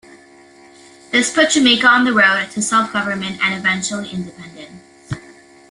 This put Jamaica on the road to self government and eventually independence.